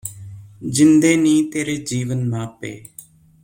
ਜਿੰਦੇ ਨੀ ਤੇਰੇ ਜੀਵਨ ਮਾਪੇ